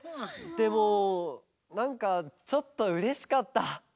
でもなんかちょっとうれしかった。